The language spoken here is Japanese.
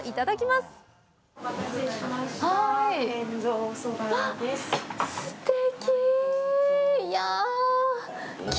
すてき。